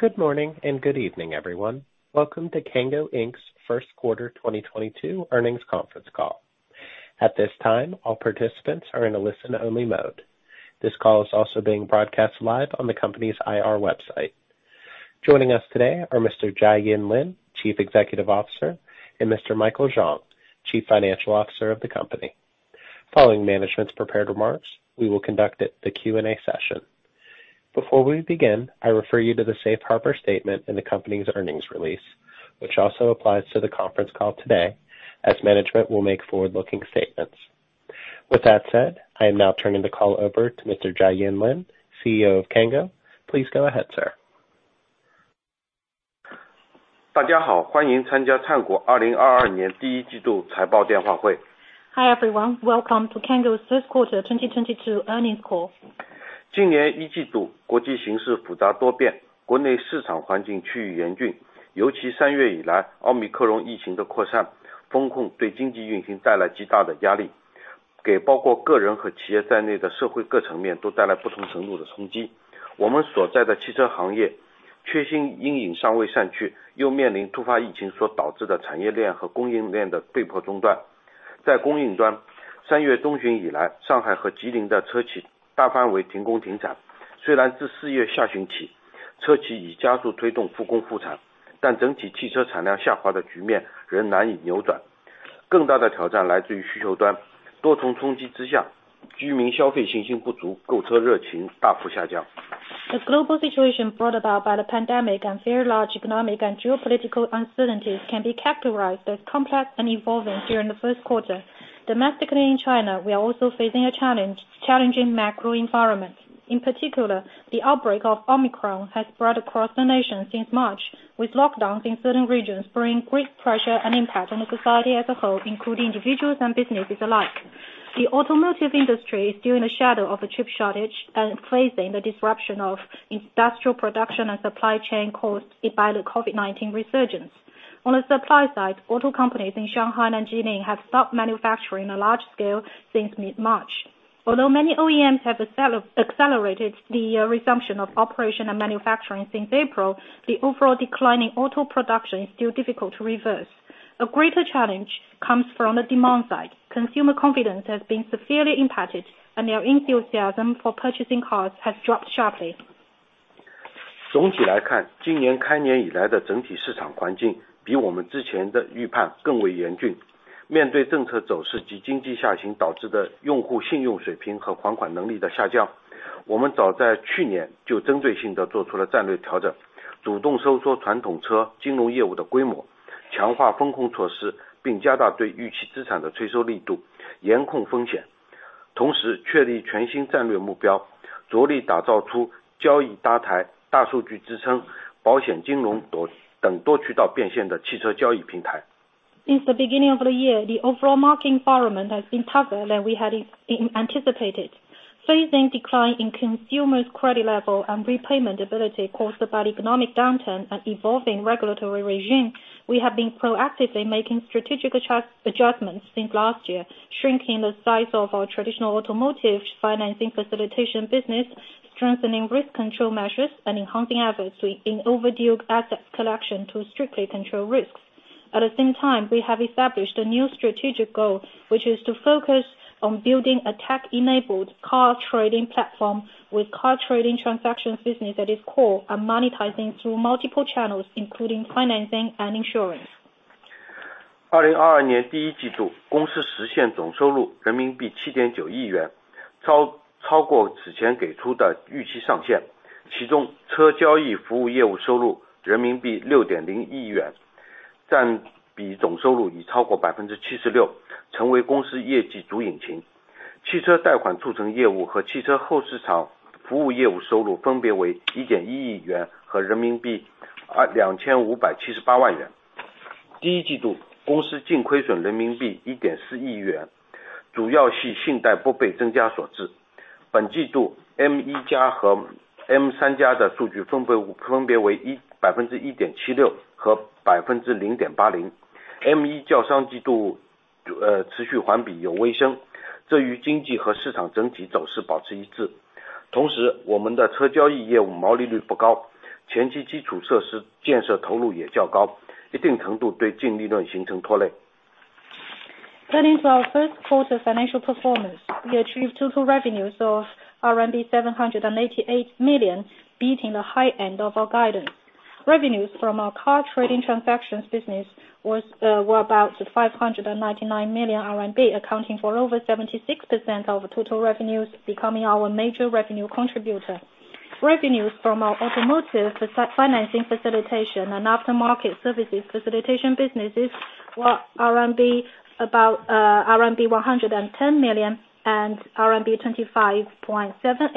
Good morning and good evening, everyone. Welcome to Cango Inc.'s Q1 2022 earnings conference call. Joining us today are Jiayuan Lin, Chief Executive Officer, and Yongyi Zhang, Chief Financial Officer of the company. Following management's prepared remarks, we will conduct the Q&A session. Before we begin, I refer you to the Safe Harbor statement in the company's earnings release, which also applies to the conference call today as management will make forward-looking statements. With that said, I am now turning the call over to Jiayuan Lin, CEO of Cango. Please go ahead, sir. Hi, everyone. Welcome to Cango's Q1 2022 earnings call. The global situation brought about by the pandemic and very large economic and geopolitical uncertainties can be characterized as complex and evolving during Q1. Domestically in China, we are also facing a challenging macro environment. Although many OEMs have accelerated the resumption of operation and manufacturing since April, the overall decline in auto production is still difficult to reverse. A greater challenge comes from the demand side. Consumer confidence has been severely impacted, and their enthusiasm for purchasing cars has dropped sharply. Since the beginning of the year, the overall market environment has been tougher than we had anticipated. At the same time, we have established a new strategic goal, which is to focus on building a tech-enabled car trading platform with car trading transactions business at its core and monetizing through multiple channels, including financing and insurance. As of March 31, 2022,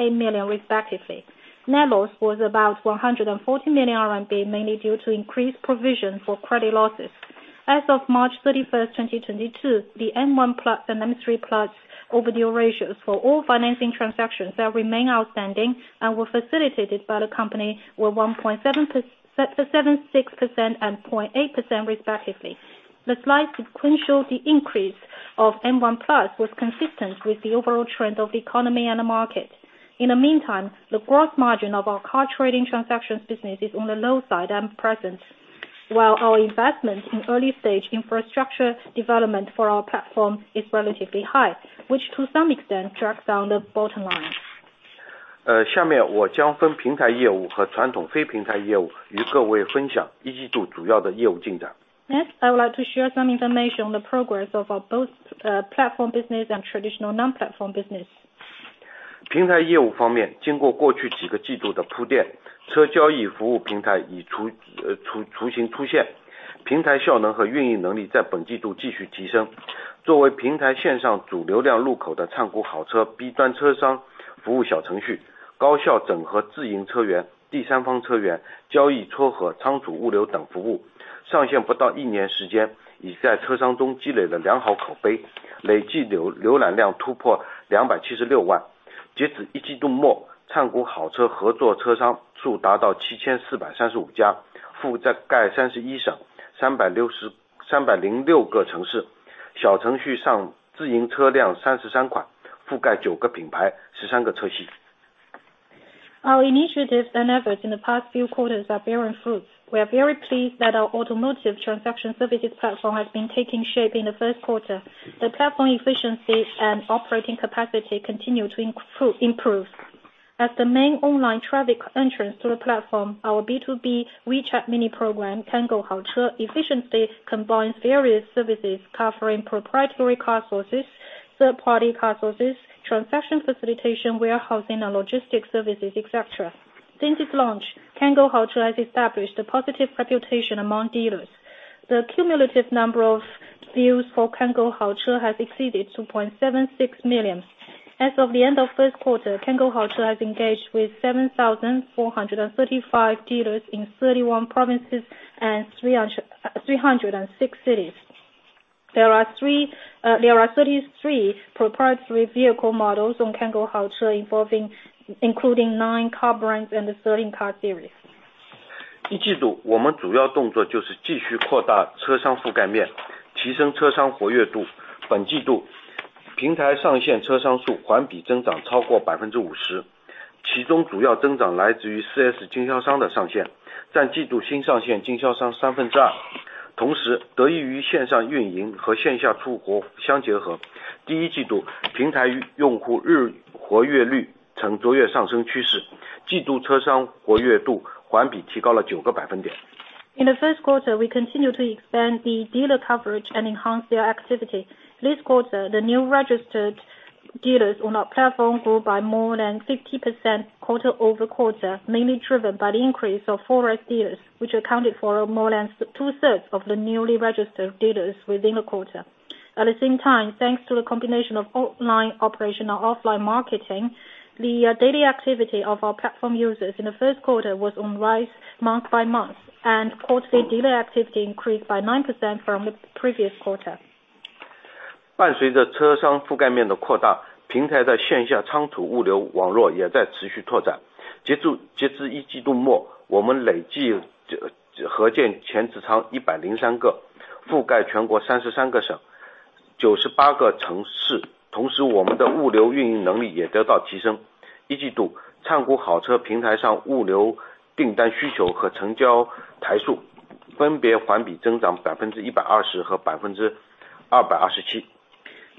the M1+ and M3+ overdue ratios for all financing transactions that remain outstanding and were facilitated by the company were 1.7676% and 0.8% respectively. The slight sequential increase of M1+ was consistent with the overall trend of economy and the market. 下面我将分平台业务和传统非平台业务与各位分享，一季度主要的业务进展。Next, I would like to share some information on the progress of our platform business and traditional non-platform business. 平台业务方面，经过过去几个季度的铺垫，车交易服务平台已雏形初现，平台效能和运营能力在本季度继续提升。作为平台线上主流量入口的灿谷好车B端车商服务小程序，高效整合自营车源、第三方车源、交易撮合、仓储物流等服务，上线不到一年时间，已在车商中积累了良好口碑，累计浏览量突破276万。截止一季度末，灿谷好车合作车商数达到7,435家，覆盖31省、360... 三百零六个城市。小程序上自营车辆三十三款，覆盖九个品牌，十三个车系。Our initiatives and efforts in the past few quarters are bearing fruits. We are very pleased that our automotive transaction services platform has been taking shape in Q1. The platform efficiency and operating capacity continue to improve. There are 33 proprietary vehicle models on Cango Haoche, including nine car brands and 13 car series. 一季度我们主要动作就是继续扩大车商覆盖面，提升车商活跃度。本季度平台上线车商数环比增长超过50%，其中主要增长来自于4S经销商的上线，占季度新上线经销商三分之二。同时得益于线上运营和线下出活相结合，第一季度平台用户日活跃率呈逐月上升趋势，季度车商活跃度环比提高了九个百分点。In Q1, we continued to expand the dealer coverage and enhance their activity. This quarter, the new registered dealers on our platform grew by more than 50% quarter-over-quarter, mainly driven by the increase of 4S dealers, which accounted for more than two-thirds of the newly registered dealers within the quarter.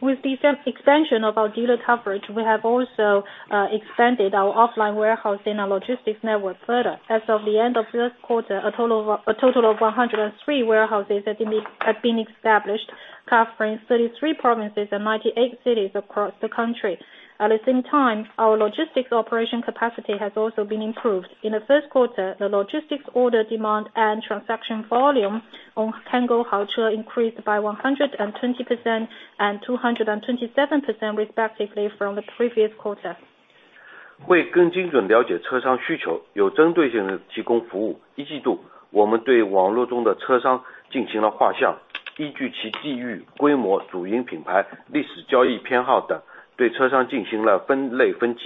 With the expansion of our dealer coverage, we have also expanded our offline warehousing and logistics network further. As of the end of Q1, a total of 103 warehouses had been established, covering 33 provinces and 98 cities across the country. In order to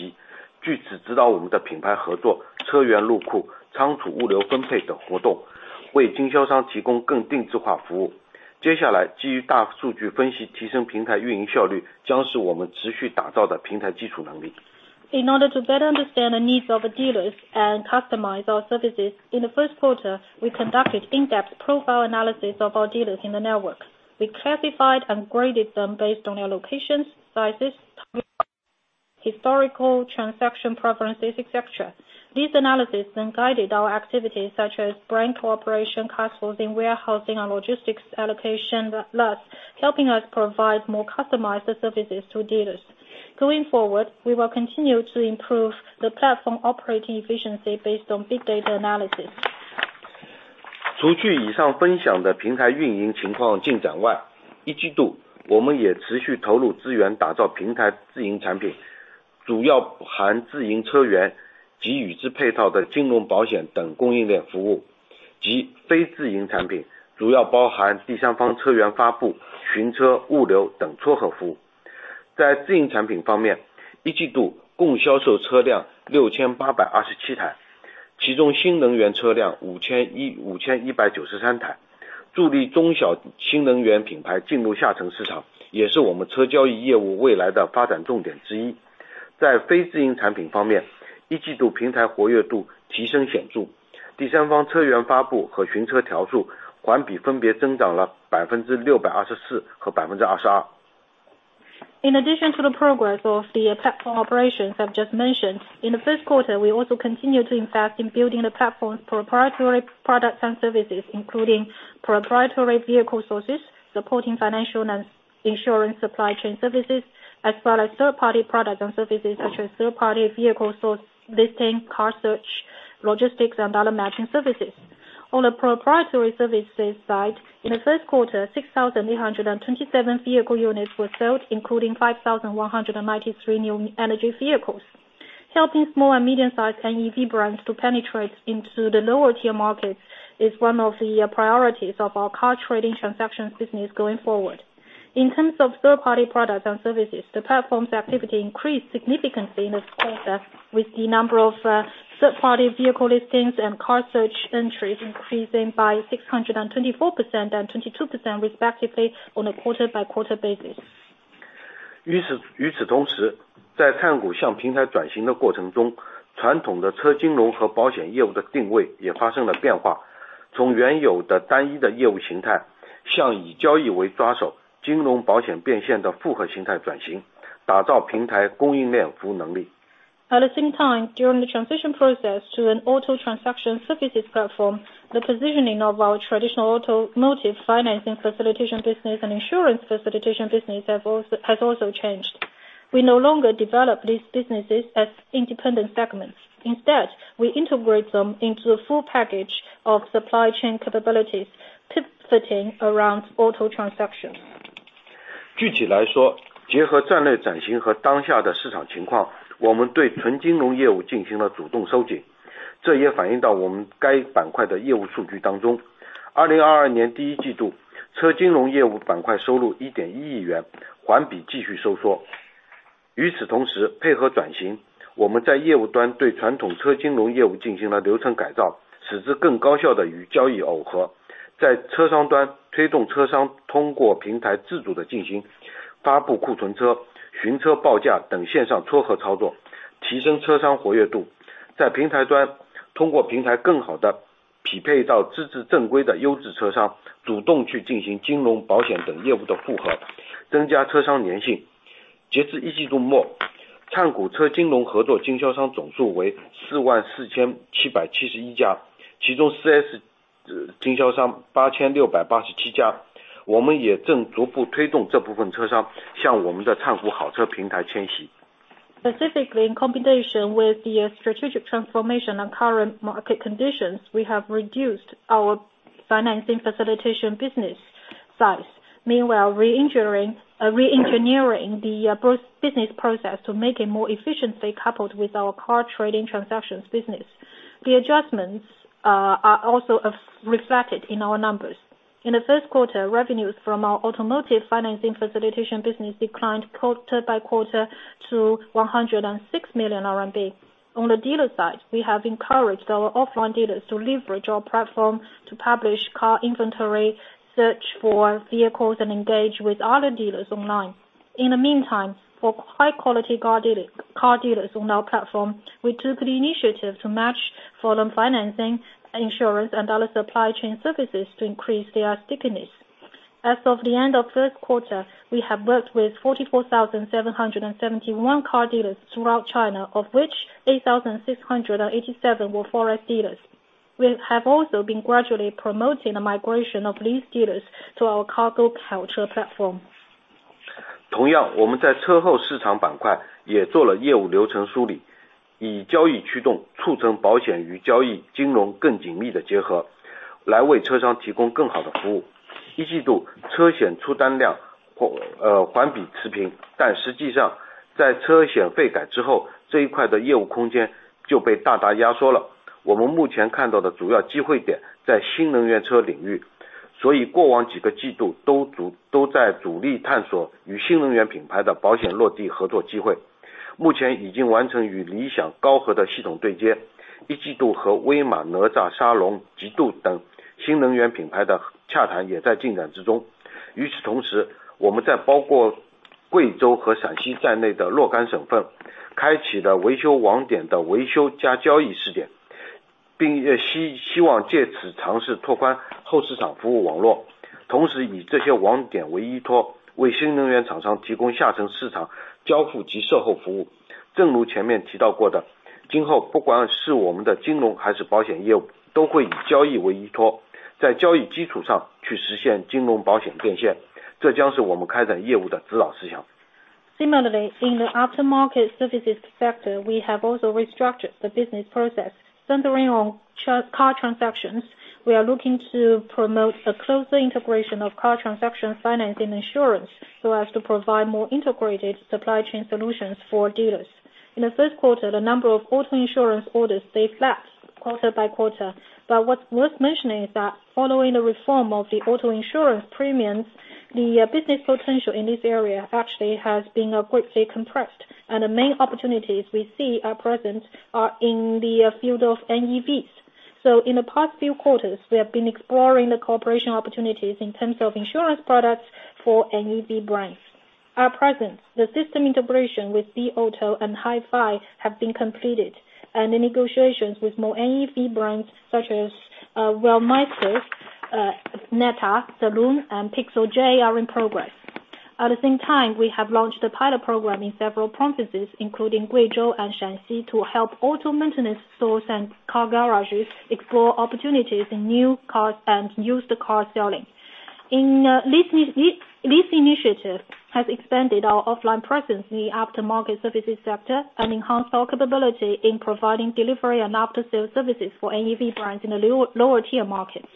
better understand the needs of the dealers and customize our services, in Q1, we conducted in-depth profile analysis of our dealers in the network. We classified and graded them based on their locations, sizes, historical transaction preferences, etc. In addition to the progress of the platform operations I've just mentioned, in Q1, we also continue to invest in building the platform's proprietary products and services, including proprietary vehicle sources, supporting financial and insurance supply chain services, as well as third-party products and services such as third-party vehicle source listing, car search, logistics, and other matching services. In terms of third-party products and services, the platform's activity increased significantly in this quarter, with the number of third-party vehicle listings and car search entries increasing by 624% and 22% respectively on a quarter-over-quarter basis. 与此同时，在灿谷向平台转型的过程中，传统的车金融和保险业务的定位也发生了变化，从原有的单一的业务形态，向以交易为抓手、金融保险变现的复合形态转型，打造平台供应链服务能力。At the same time, during the transition process to an auto transaction services platform, the positioning of our traditional automotive financing facilitation business and insurance facilitation business has also changed. We no longer develop these businesses as independent segments. Instead, we integrate them into a full package of supply chain capabilities pivoting around auto transactions. Specifically, in combination with the strategic transformation and current market conditions, we have reduced our financing facilitation business size. Meanwhile, we are reengineering both business processes to make them more efficiently coupled with our car trading transactions business. The adjustments are also reflected in our numbers. Similarly, in the aftermarket services sector, we have also restructured the business process centering on car transactions. We are looking to promote a closer integration of car transaction financing insurance so as to provide more integrated supply chain solutions for dealers. At the same time, we have launched a pilot program in several provinces, including Guizhou and Shanxi, to help auto maintenance stores and car garages explore opportunities in new car and used car selling. This initiative has expanded our offline presence in the aftermarket services sector and enhanced our capability in providing delivery and after-sales services for NEV brands in the lower-tier markets.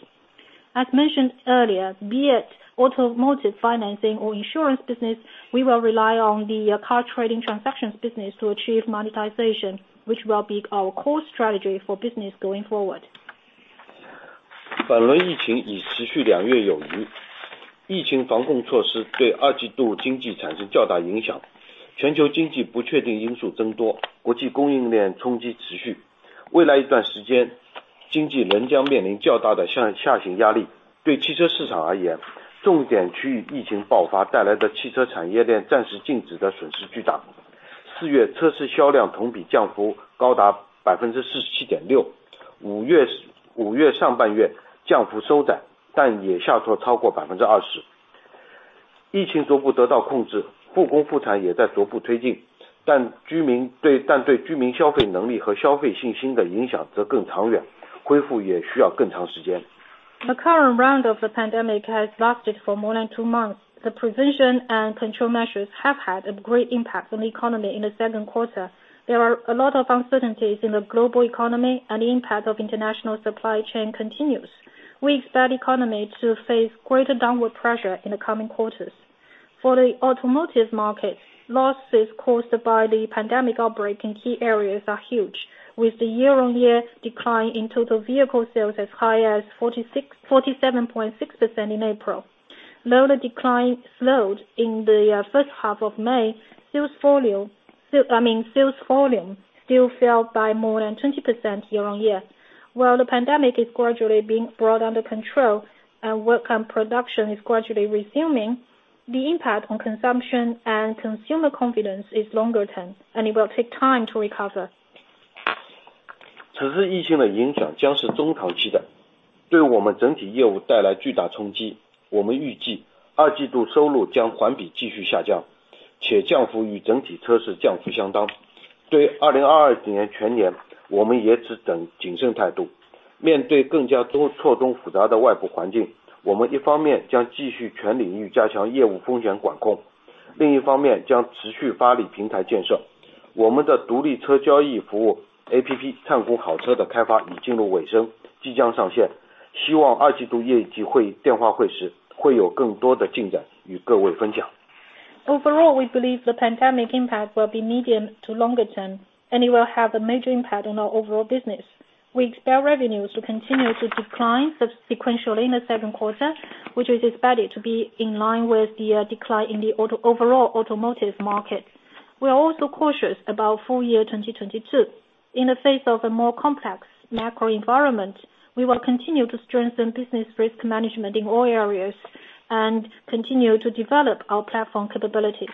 We expect economy to face greater downward pressure in the coming quarters. For the automotive market, losses caused by the pandemic outbreak in key areas are huge, with the year-on-year decline in total vehicle sales as high as 46% to 47.6% in April. We expect revenues to continue to decline sequentially in Q2, which is expected to be in line with the decline in the overall automotive market. We are also cautious about full year 2022. In the face of a more complex macro environment, we will continue to strengthen business risk management in all areas and continue to develop our platform capabilities.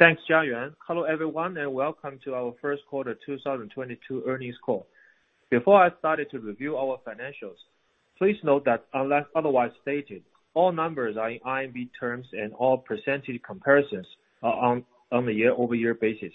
Thanks, Jiayuan. Hello, everyone, and welcome to our Q1 2022 earnings call. Before I start to review our financials, please note that unless otherwise stated, all numbers are in CNY terms, and all percentage comparisons are on a year-over-year basis.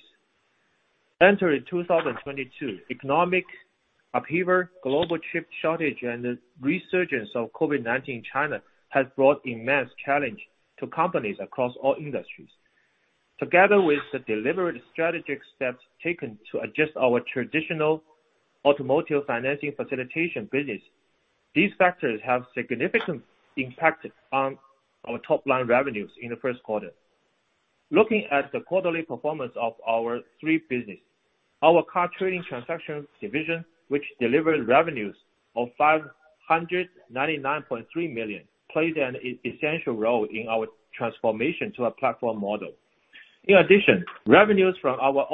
In addition, revenues from our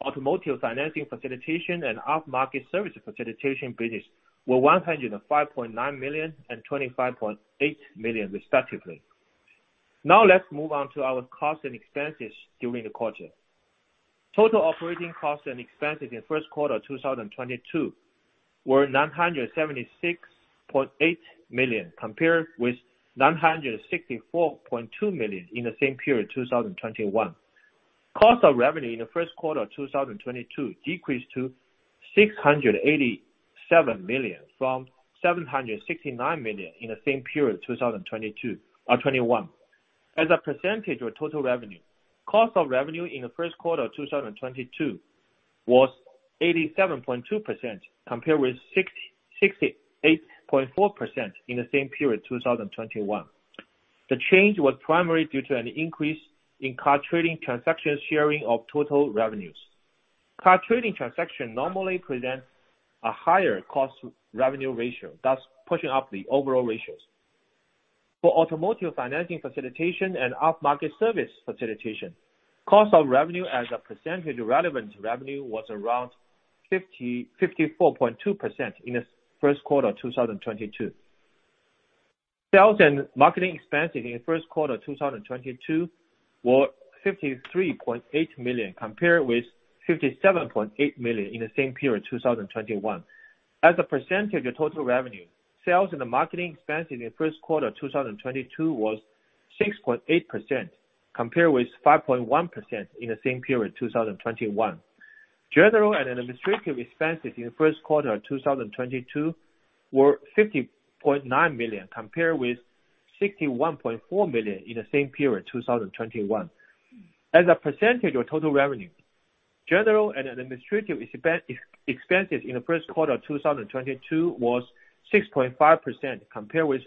automotive financing facilitation and aftermarket service facilitation business were 105.9 million and 25.8 million respectively. Now let's move on to our costs and expenses during the quarter. The change was primarily due to an increase in car trading transactions sharing of total revenues. Car trading transaction normally presents a higher cost revenue ratio, thus pushing up the overall ratios. General and administrative expenses in Q1 2022 were 50.9 million, compared with 61.4 million in the same period, 2021. As a percentage of total revenue, general and administrative expenses in Q1 2022 was 6.5%, compared with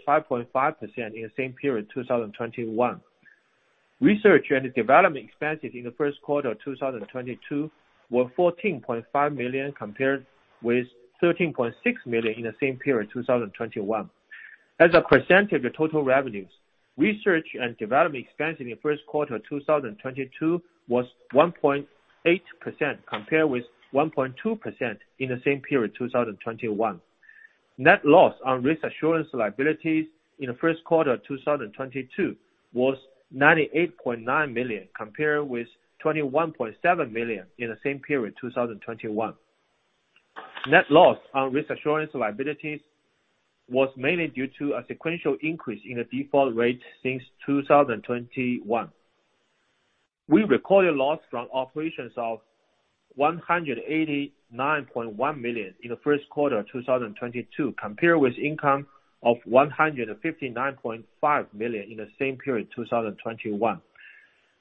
5.5% in the same period, 2021. Net loss on risk assurance liabilities in Q1 2022 was 98.9 million, compared with 21.7 million in the same period, 2021. Net loss on risk assurance liabilities was mainly due to a sequential increase in the default rate since 2021.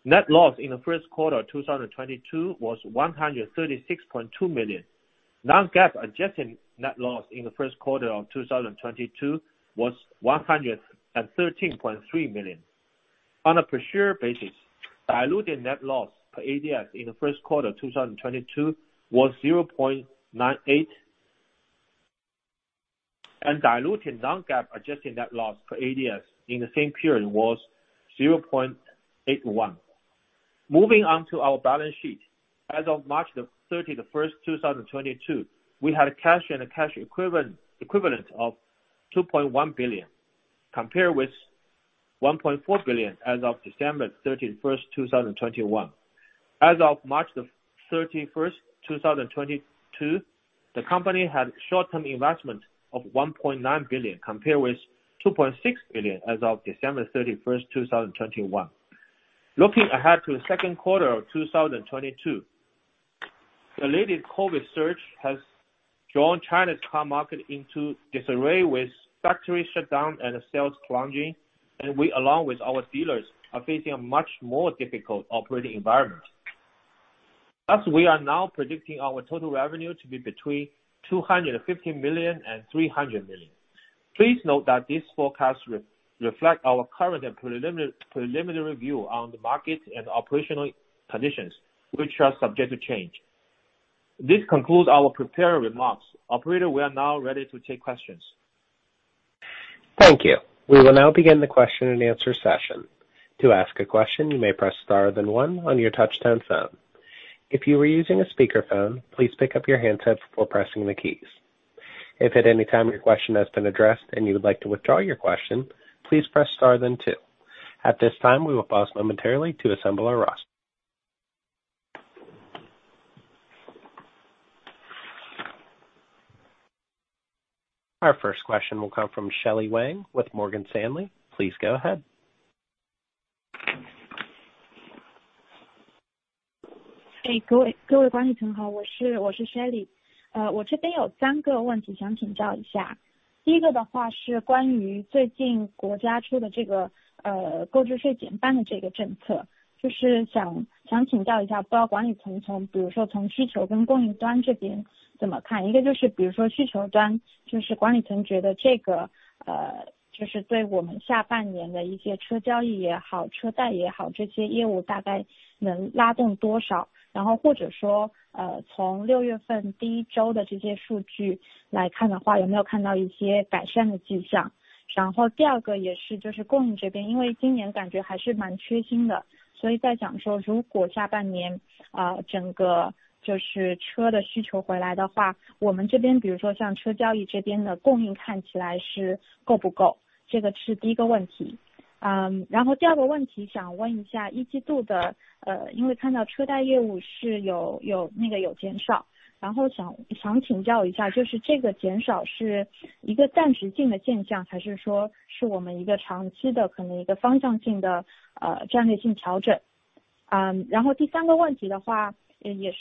On a per-share basis, diluted net loss per ADS in Q1 2022 was $0.98. Diluted Non-GAAP adjusted net loss per ADS in the same period was Looking ahead to Q2 2022, the latest COVID surge has drawn China's car market into disarray with factory shutdown and sales plunging, and we, along with our dealers, are facing a much more difficult operating environment. Thank you. We will now begin the Q&A session. Our first question comes from Shelley Wang with Morgan Stanley. Please go ahead. Hi, I'm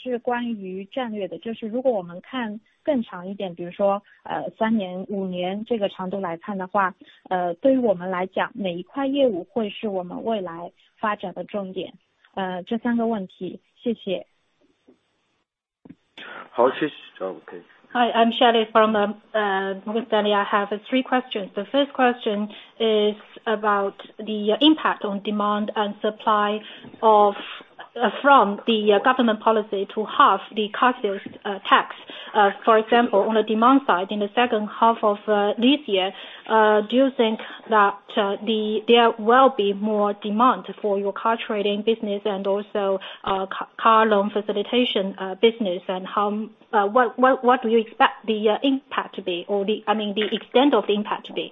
Sherry from Morgan Stanley. I have three questions. The first question is about the impact on demand and supply from the government policy to halve the car sales tax. For example, on a demand side in H2 2022, do you think that there will be more demand for your car trading business and also car financing facilitation business, and what do you expect the extent of the impact to be?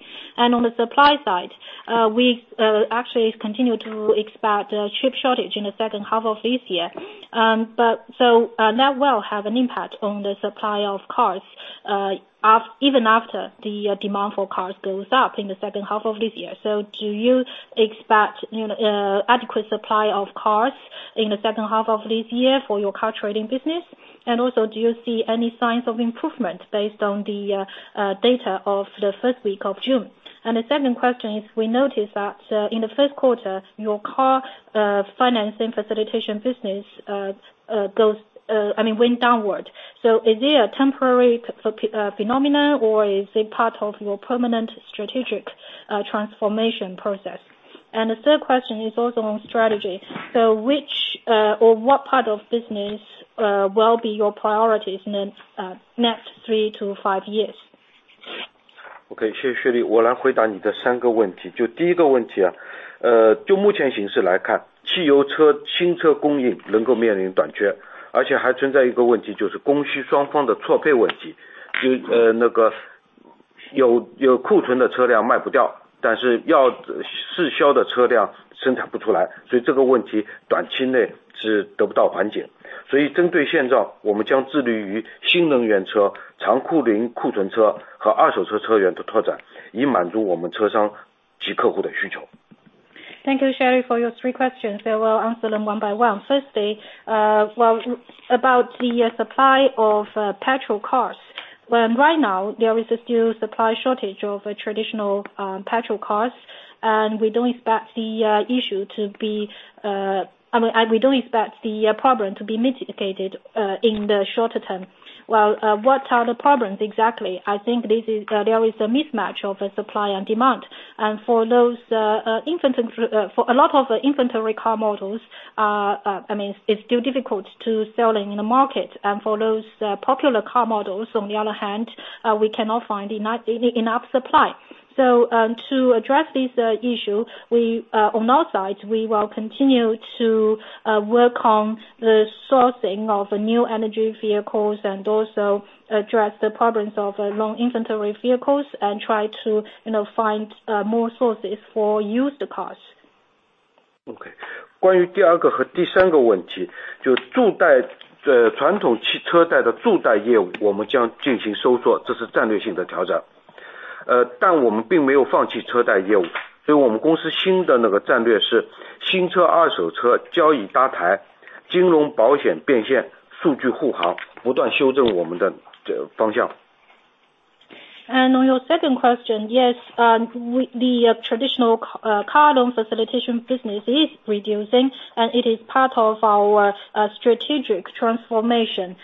Thank you, Shelley, for your three questions. I will answer them one by one. First, about the supply of petrol cars. Right now, there is still supply shortage of traditional petrol cars, and we don't expect the problem to be mitigated in the shorter-term. On your second question, yes, the traditional car loan facilitation business is reducing, and it is part of our strategic transformation.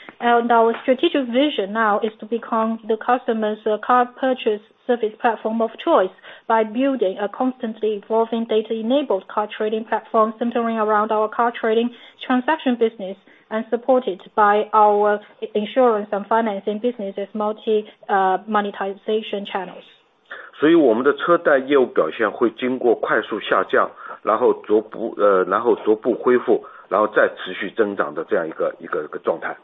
所以我们的车贷业务表现会经过快速下降，然后逐步恢复，然后再持续增长的这样一个状态。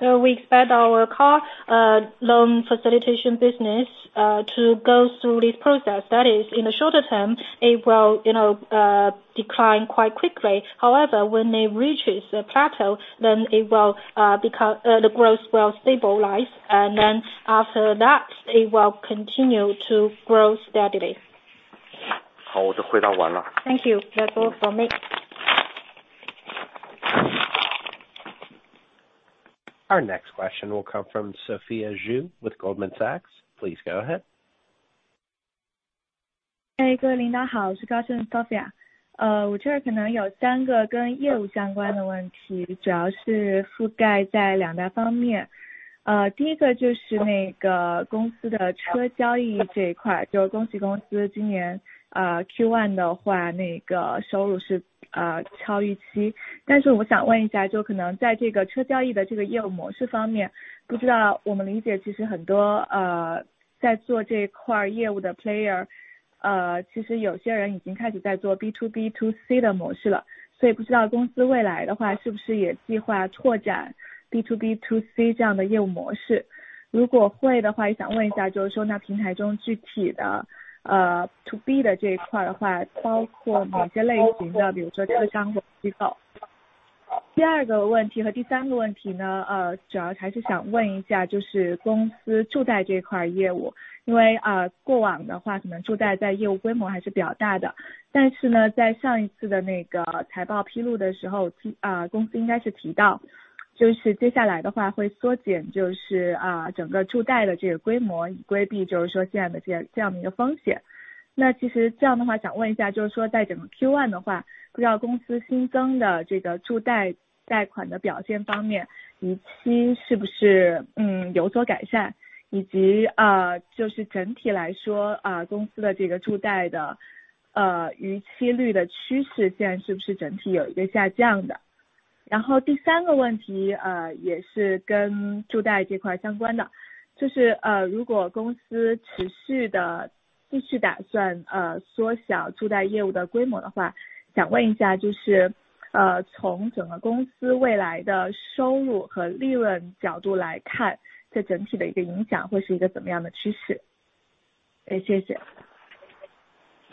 We expect our car loan facilitation business to go through this process where, in the shorter-term, it will decline quite quickly. However, when it reaches a plateau, the growth will stabilize, and then after that, it will continue to grow steadily. 好，我都回答完了。Thank you. That's all for me. Our next question will come from Sophia Zhu with Goldman Sachs. Please go ahead. 各位领导好，我是高盛 Sophia。我这儿可能有三个跟业务相关的问题，主要是覆盖在两大方面。第一个就是公司的车交易这一块，恭喜公司今年 Q1 的话，收入是超预期。但是我想问一下，就可能在这个车交易的这个业务模式方面，不知道，我们理解其实很多在做这一块业务的 player，其实有些人已经开始在做 B2B2C 的模式了，所以不知道公司未来的话是不是也计划拓展 B2B2C 这样的业务模式。如果会的话也想问一下，就是说那平台中具体的 To B 的这一块的话，包括哪些类型的，比如说车商或机构。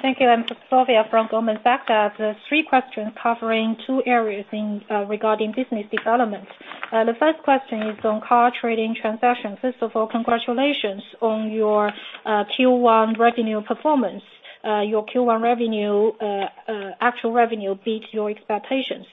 Thank you, I'm Sophia from Goldman Sachs. The three questions covering two areas regarding business development. The first question is on car trading transactions. First of all, congratulations on your Q1 revenue performance. Your Q1 actual revenue beat your expectations.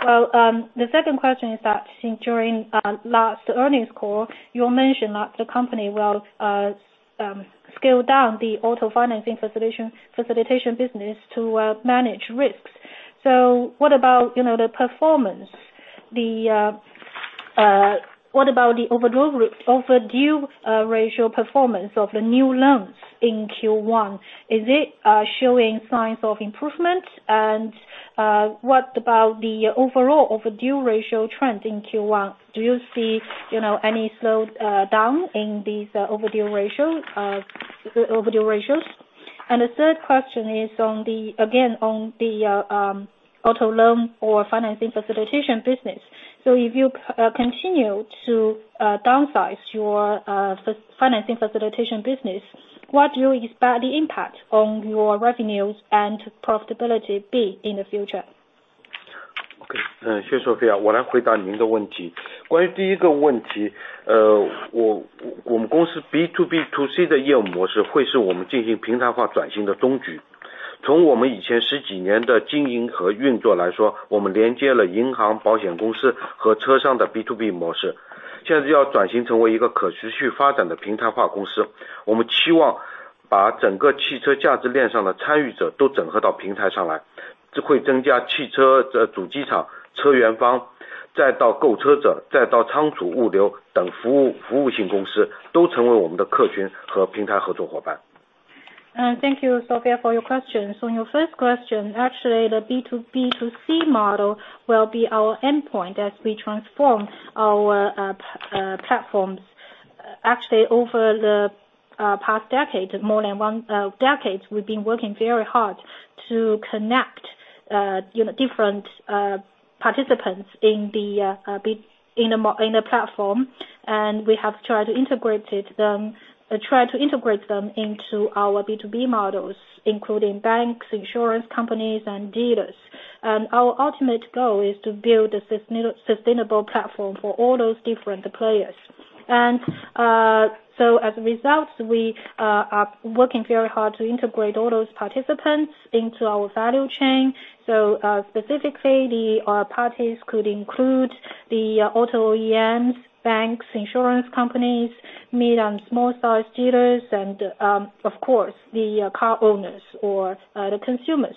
The second question is that since during last earnings call, you mentioned that the company will scale down the auto financing facilitation business to manage risks. What about the overdue ratio performance of the new loans in Q1? Thank you, Sophia, for your questions. On your first question, actually, the B2B2C model will be our endpoint as we transform our platforms. As a result, we are working very hard to integrate all those participants into our value chain. Specifically, the parties could include the auto OEMs, banks, insurance companies, mid- and small-size dealers, and of course, the car owners or the consumers.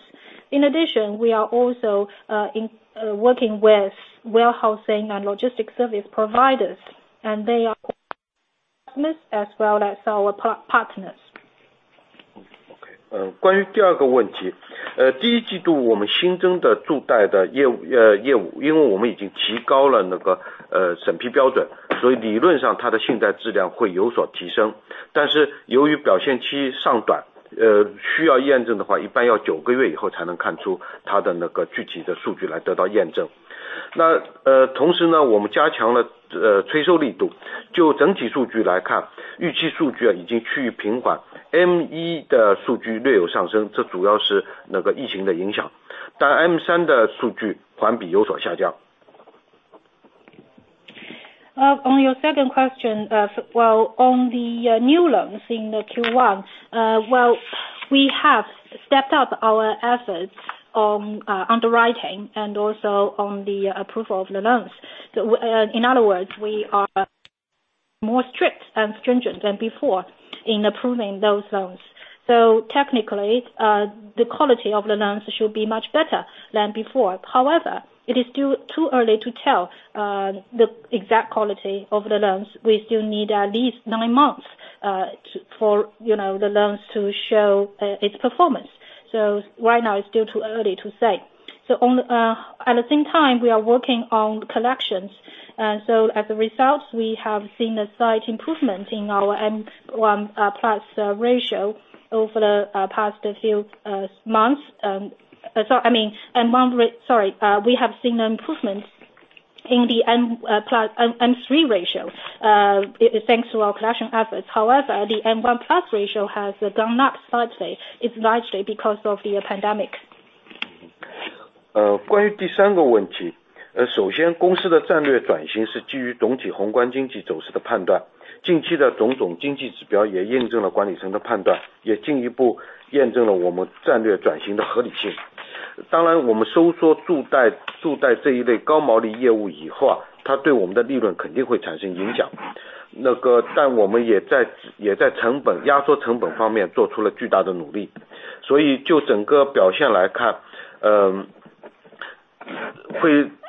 On your second question, on the new loans in Q1, we have stepped up our efforts on underwriting and also on the approval of the loans. In other words, we are more strict and stringent than before in approving those loans. We have seen improvements in the M1+ and M3+ ratios, thanks to our collection efforts. However, the M1+ ratio has gone up slightly. It's largely because of the pandemic.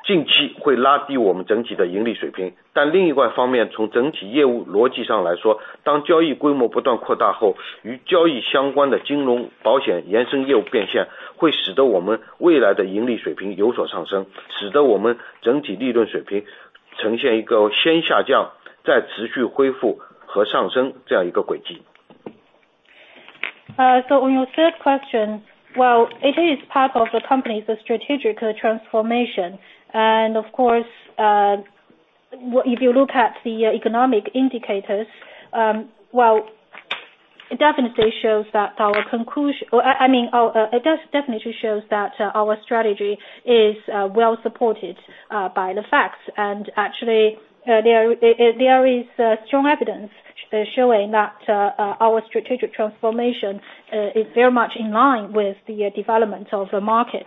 On your third question, it is part of the company's strategic transformation. If you look at the economic indicators, it definitely shows that our strategy is well-supported by the facts. Actually, there is strong evidence showing that our strategic transformation is very much in line with the development of the market.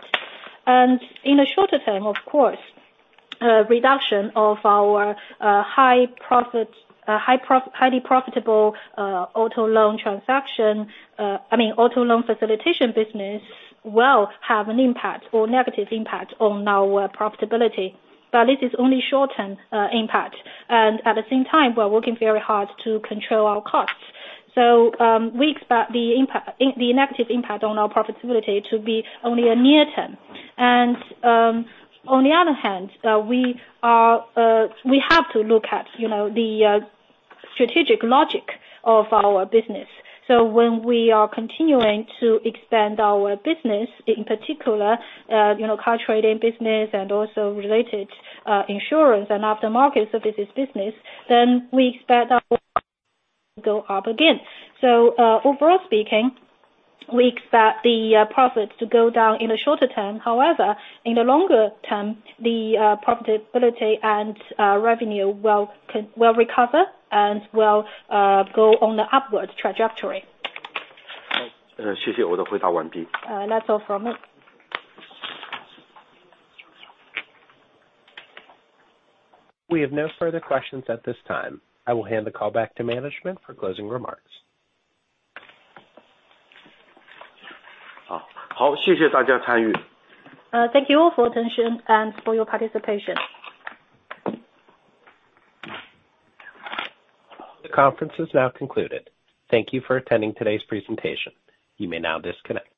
We expect the negative impact on our profitability to be only near-term. On the other hand, we have to look at the strategic logic of our business. When we are continuing to expand our business—in particular, the car trading business and also related insurance and aftermarket services business—then we expect that to go up again. We have no further questions at this time. I will hand the call back to management for closing remarks. Thank you all for attention and for your participation. The conference is now concluded. Thank you for attending today's presentation. You may now disconnect.